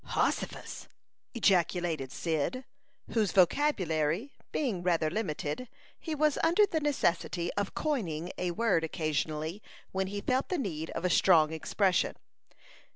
"Hossifus!" ejaculated Cyd, whose vocabulary being rather limited, he was under the necessity of coining a word occasionally, when he felt the need of a strong expression.